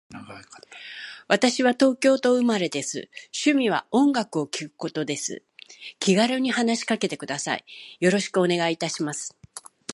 私は東京都生まれです。趣味は音楽を聴くことです。気軽に話しかけてください。よろしくお願いいたします。